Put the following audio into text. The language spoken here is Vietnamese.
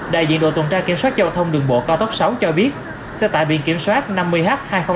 đại diện đội tuần tra kiểm soát giao thông đường bộ cao tốc sáu cho biết xe tải biển kiểm soát năm mươi h hai mươi nghìn năm trăm sáu mươi bảy